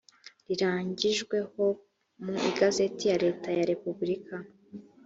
rirangijweho mu igazeti ya leta ya repubulika